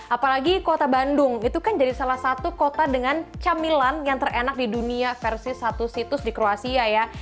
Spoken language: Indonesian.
apalagi kota bandung itu kan jadi salah satu kota dengan camilan yang terenak di dunia versi satu situs di kroasia ya